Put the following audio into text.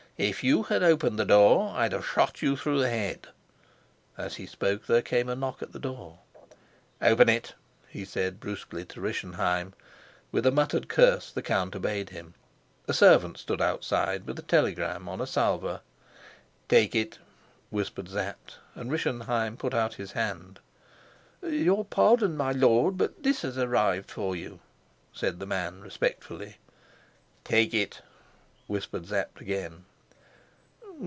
If you had opened the door, I'd have shot you through the head." As he spoke there came a knock at the door. "Open it," he said brusquely to Rischenheim. With a muttered curse the count obeyed him. A servant stood outside with a telegram on a salver. "Take it," whispered Sapt, and Rischenheim put out his hand. "Your pardon, my lord, but this has arrived for you," said the man respectfully. "Take it," whispered Sapt again.